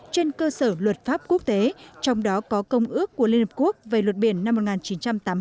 trên cơ sở luật pháp quốc tế trong đó có công ước của liên hợp quốc về luật biển năm một nghìn chín trăm tám mươi hai